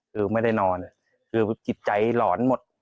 คือไม่ได้นอนหล่อนหมด